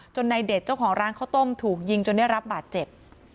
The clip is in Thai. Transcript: ในเด็ดเจ้าของร้านข้าวต้มถูกยิงจนได้รับบาดเจ็บ